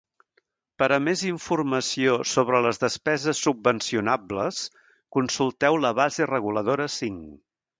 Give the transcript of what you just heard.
Per a més informació sobre les despeses subvencionables, consulteu la base reguladora cinc.